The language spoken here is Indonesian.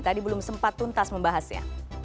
tadi belum sempat tuntas membahasnya